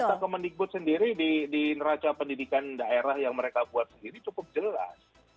data kemendikbud sendiri di neraca pendidikan daerah yang mereka buat sendiri cukup jelas